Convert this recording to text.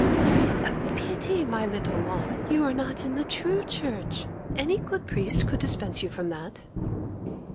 'What a pity, my little one, you are not in the true Church! Any good priest could dispense you from that.